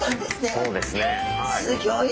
そうですねはい。